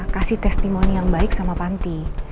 kasih testimoni yang baik sama panti